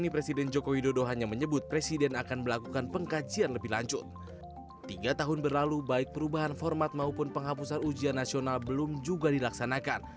pembelajaran ujian nasional belum juga dilaksanakan